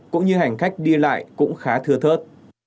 cũng như hành khách đi lại cũng khá thưa thớt